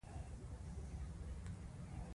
سړي تېږې ته لاس کړ، تواب چيغه کړه!